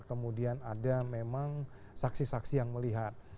kemudian ada memang saksi saksi yang melihat